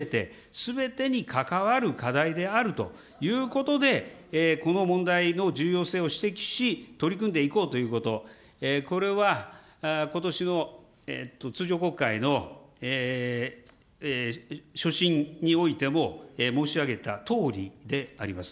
国民すべて男性も企業も地域社会も高齢者も、そしてこの結婚されていない方々も含めて、すべてに関わる課題であるということで、この問題の重要性を指摘し、取り組んでいこうということ、これはことしの通常国会の所信においても、申し上げたとおりであります。